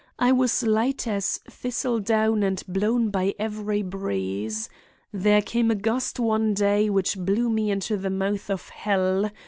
I was light as thistledown and blown by every breeze. There came a gust one day which blew me into the mouth of hell.